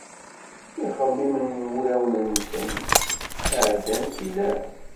Ixemmimen n wulawen-nsen, ɛeddan tilas.